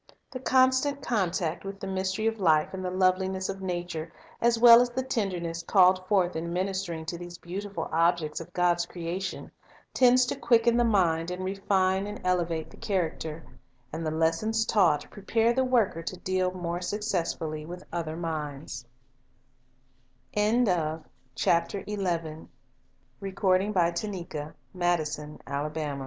The constant contact with the mystery of life and the loveli ness of nature, as well as the tenderness called forth in ministering to these beautiful objects of God's creation, tends to quicken the mind and refine and elevate the character; and the lessons taught prepare the worker to deal more successfully with other min